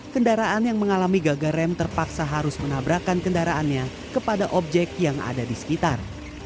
kendaraan yang mengalami gagal rem terpaksa harus menabrakan kendaraannya kepada objek yang ada di sekitar